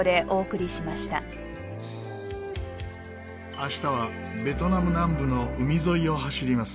明日はベトナム南部の海沿いを走ります。